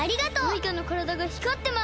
マイカのからだがひかってます！